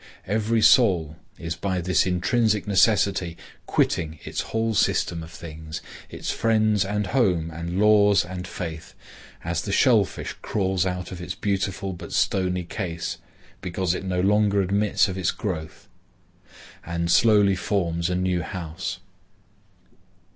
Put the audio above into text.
Every soul is by this intrinsic necessity quitting its whole system of things, its friends and home and laws and faith, as the shell fish crawls out of its beautiful but stony case, because it no longer admits of its growth, and slowly forms a new house.